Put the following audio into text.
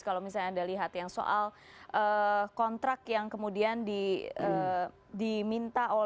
kalau misalnya anda lihat yang soal kontrak yang kemudian diminta